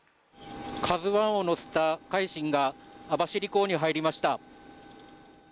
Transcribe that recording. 「ＫＡＺＵⅠ」を載せた船が網走港に入りました。